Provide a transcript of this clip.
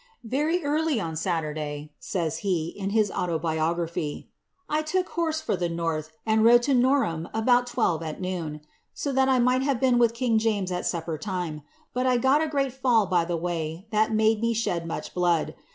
^ Very early on Saturday," says he, in his autobio graphy, ^^ I took horse for the north, and rode to Norham about twelve at noon, so that I might have been with king James at supper time ; but 1 got a great fall by the way, that made me shed much blood.